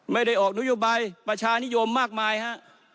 ไม่ได้เคยใช้เงินซื้อเสียงเข้ามาฮะ